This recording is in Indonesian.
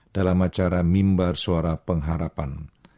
dalam acara mimbar suara pengharapan